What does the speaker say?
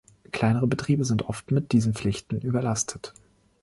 Kleinere Betriebe sind oft mit diesen Pflichten überlastet.